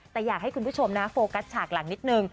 แต่อยากให้คุณผู้ชมนะโฟกัสฉากหลังนิดนึง